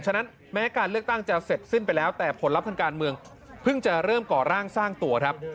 ฉะนั้นแม้การเลือกตั้งจะเสร็จสิ้นไปแล้วแต่ผลลัพธ์ทางการเมืองเพิ่งจะเริ่มก่อร่างสร้างตัวครับ